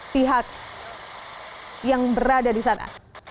pihak yang berada di sana